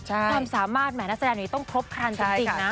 ความสามารถแห่นักแสดงนี้ต้องครบครันจริงนะ